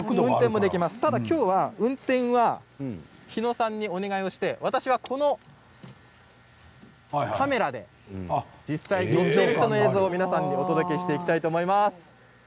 ただ、今日、運転は日野さんにお願いして私は、このカメラで実際に映像を皆さんにお届けしていきたいと思います。